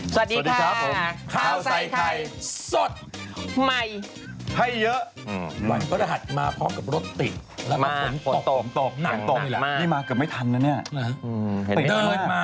สวัสดีครับข้าวใส่ไข่สดใหม่ให้เยอะวันพันธุ์หัดมาพร้อมกับรถติดแล้วกับฝนตกหนังตกอีกแล้วนี่มากับไม่ทันแล้วเนี่ยเห็นไม่ทัน